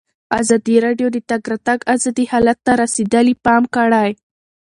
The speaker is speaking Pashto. ازادي راډیو د د تګ راتګ ازادي حالت ته رسېدلي پام کړی.